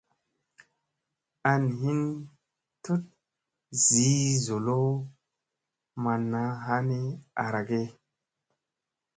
An hin tut zii zolo manna ha ni ara ge.